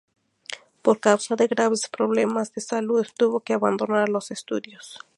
Por causa de graves problemas de salud, tuvo que abandonar los estudios.